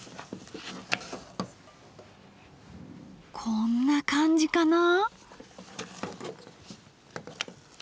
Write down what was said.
こんな感じかな？